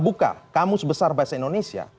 buka kamus besar bahasa indonesia